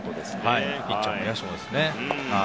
ピッチャーも野手もね。